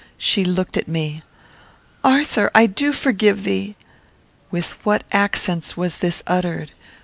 She looked at me. "Arthur! I do forgive thee." With what accents was this uttered!